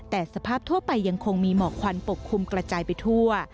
แต่สภาพทั่วไปยังคงมีหมอกควันปกคลุมกระจายไปทั่ว